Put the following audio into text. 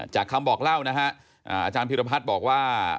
จากคำบอกเล่าอาจารย์ผิดวพัฒน์บอกว่า